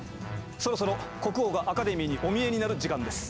そろそろ国王がアカデミーにお見えになる時間です。